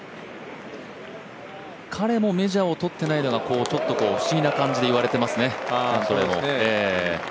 彼もメジャーをとっていないのが不思議な感じでいわれていますね。